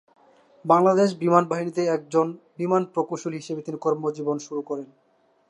বাংলাদেশ বিমান বাহিনীতে একজন বিমান প্রকৌশলী হিসেবে তিনি কর্মজীবন শুরু করেন।